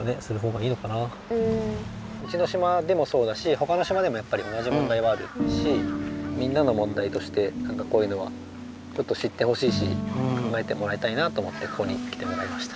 うちの島でもそうだしほかの島でもやっぱり同じ問題はあるしみんなの問題としてなんかこういうのはちょっと知ってほしいし考えてもらいたいなと思ってここに来てもらいました。